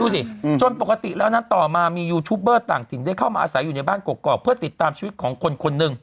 จนปกติแล้วนะต่อมามียูทูปเบอร์ต่างถิ่นได้เข้ามาอาศัยอยู่ในบ้านกรอกเพื่อติดตามชีวิตของคนคนหนึ่ง